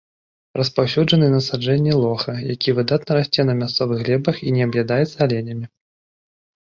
Распаўсюджаны насаджэнні лоха, які выдатна расце на мясцовых глебах і не аб'ядаецца аленямі.